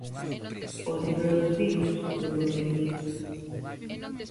O libro dos bicos, de Nuria Díaz.